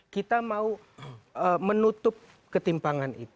kita mau menutup ketimpangan